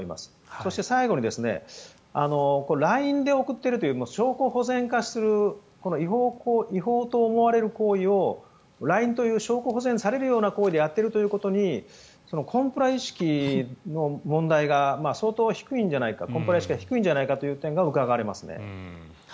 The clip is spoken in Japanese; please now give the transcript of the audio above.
そして最後にＬＩＮＥで送っているという証拠保全する違法と思われる行為をＬＩＮＥという証拠保全されるような行為でやっていることにコンプラ意識の問題が相当低いんじゃないかコンプラ意識が低いんじゃないかという点がうかがわれますね。